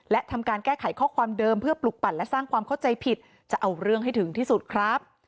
และทำการแก้ไขข้อความเดิมเพื่อปลุกปั่นและสร้างความเข้าใจผิดจะเอาเรื่องให้ถึงที่สุดครับ